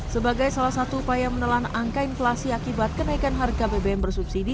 sebagai salah satu upaya menelan angka inflasi akibat kenaikan harga bbm bersubsidi